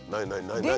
何？